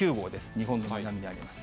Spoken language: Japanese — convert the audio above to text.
日本の南にあります。